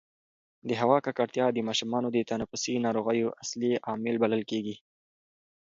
د هوا ککړتیا د ماشومانو د تنفسي ناروغیو اصلي عامل بلل کېږي.